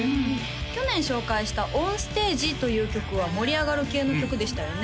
去年紹介した「オンステージ」という曲は盛り上がる系の曲でしたよね